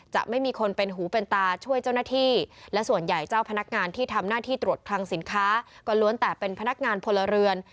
จะไม่มีคนเป็นหูเป็นตาช่วยเจ้าหน้าที่และส่วนใหญ่เจ้าพนักงานที่ทำหน้าที่ตรวจคลังสินค้าก็ล้วนแต่เป็นพนักงานพลเรือน